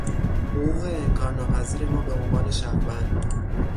حقوق انکارناپذیر ما به عنوان شهروند